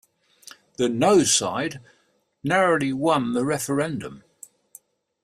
The "No" side narrowly won the referendum.